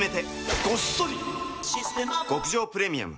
極上プレミアム